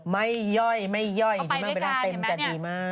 ไม่ย่อยนี่มันแบลล่าเต็มจัดดีมาก